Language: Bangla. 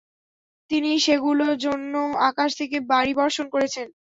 তিনিই সেগুলো জন্য আকাশ থেকে বারি বর্ষণ করেছেন।